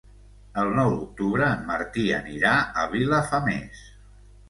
El nou d'octubre en Martí anirà a Vilafamés.